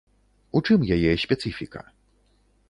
У чым яе спецыфіка?